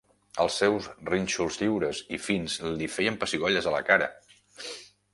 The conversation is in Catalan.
Els seus rínxols lliures i fins li feien pessigolles a la cara.